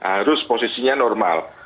harus posisinya normal